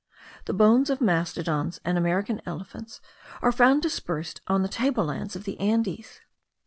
The bones of mastodons and American elephants are found dispersed on the table lands of the Andes.